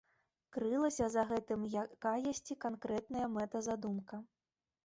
Крылася за гэтым якаясьці канкрэтная мэта-задумка.